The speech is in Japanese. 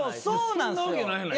そうなんすよ。